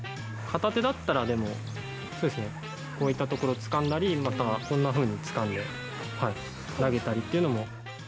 片手だったらこういったところをつかんだりこんなふうにつかんで投げたりっていうのも。